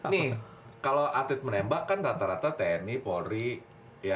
nih kalo atlet menembak kan rata rata tni polri yaa yaa tni yaa